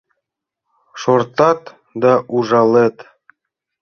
Шортат да ужалет.